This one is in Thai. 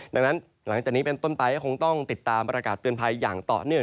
ดังนั้นหลังจากนี้เป็นต้นไปก็คงต้องติดตามประกาศเตือนภัยอย่างต่อเนื่อง